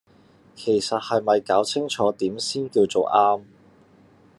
其實係咪攪清楚點先叫做啱